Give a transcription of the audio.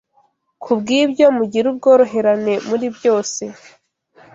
Kubwibyo mugir ubworoherane muri byose